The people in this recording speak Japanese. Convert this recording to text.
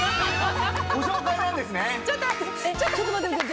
ご紹介なんですね。